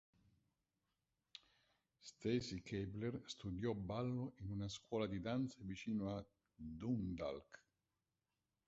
Stacy Keibler studiò ballo in una scuola di danza vicino Dundalk.